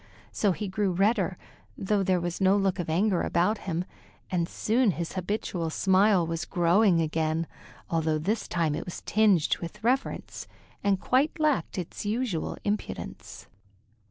So he grew redder, though there was no look of anger about him, and soon his habitual smile was growing again, although this time it was tinged with reverence and quite lacked its usual impudence.